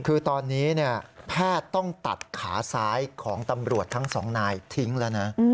คือตอนนี้แพทย์ต้องตัดขาซ้ายของตำรวจทั้งสองนายทิ้งแล้วนะ